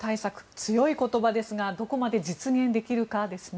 強い言葉ですがどこまで実現できるかですね。